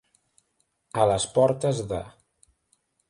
A les portes de.